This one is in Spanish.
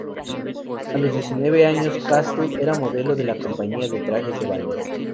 A los diecinueve años, Castle era modelo de una compañía de trajes de baño.